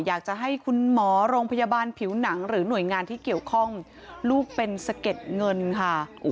อยากจะให้คุณหมอโรงพยาบาลผิวหนังหรือหน่วยงานที่เกี่ยวข้องลูกเป็นสะเก็ดเงินค่ะ